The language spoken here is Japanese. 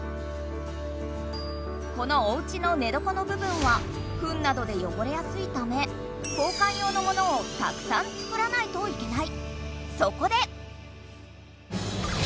このおうちのねどこのぶぶんはフンなどでよごれやすいため交かん用のものをたくさん作らないといけない。